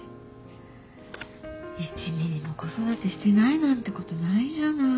１ｍｍも子育てしてないなんてことないじゃない。